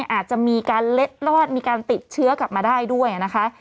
อาจจะมีการเล็ดลอดมีการติดเชื้อกลับมาได้ด้วยนะคะ